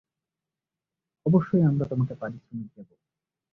অবশ্যই, আমরা তোমাকে পারিশ্রমিক দিব।